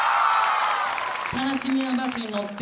「悲しみはバスに乗って」。